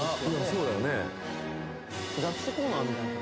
そうだよね